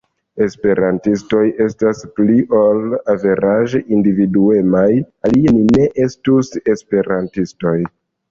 Esperantistoj estas pli ol averaĝe individuemaj alie ni ne estus esperantistoj.